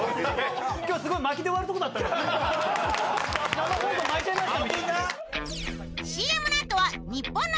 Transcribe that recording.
生放送巻いちゃいました。